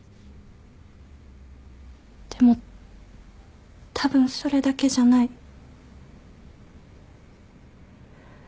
でもたぶんそれだけじゃない。